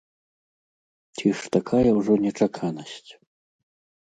Ці ж такая ўжо нечаканасць?